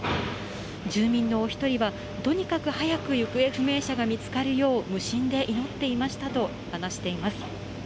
住民のお一人は、とにかく早く行方不明者が見つかるよう、無心で祈っていましたと話しています。